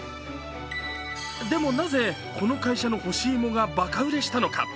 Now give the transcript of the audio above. でもなぜこの会社の干し芋がバカ売れしたのか。